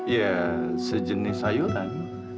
ya sejenis sayuran